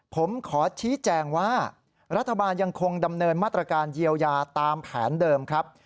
ผมขอชี้แจงว่ารัฐบาลยังคงดำเนินมาตรการเยียวยาตามแผนเดิมครับ